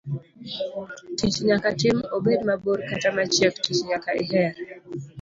Tich nyaka tim, obed mabor kata machiek, tich nyaka iher.